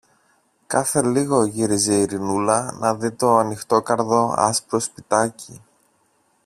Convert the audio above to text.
Κάθε λίγο γύριζε η Ειρηνούλα να δει το ανοιχτόκαρδο άσπρο σπιτάκι